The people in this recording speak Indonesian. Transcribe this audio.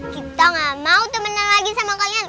kita gak mau temenan lagi sama kalian